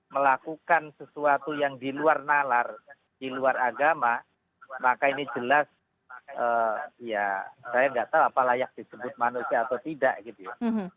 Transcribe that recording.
melakukan sesuatu yang di luar nalar di luar agama maka ini jelas ya saya nggak tahu apa layak disebut manusia atau tidak gitu ya